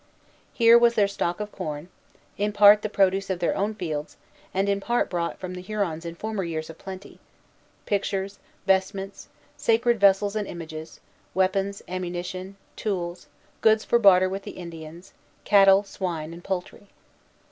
Here was their stock of corn, in part the produce of their own fields, and in part bought from the Hurons in former years of plenty, pictures, vestments, sacred vessels and images, weapons, ammunition, tools, goods for barter with the Indians, cattle, swine, and poultry.